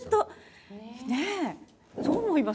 どう思います？